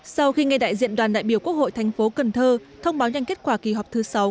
sau khi nghe đại diện đoàn đại biểu quốc hội thành phố cần thơ thông báo nhanh kết quả kỳ họp thứ sáu